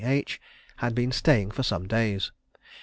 H., had been staying for some days.